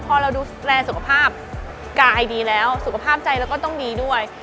พอเราดูแลสุขภาพกายดีแล้วสุขภาพใจเราก็ต้องดีด้วย